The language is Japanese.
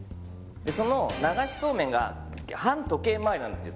その流しそうめんが反時計回りなんですよ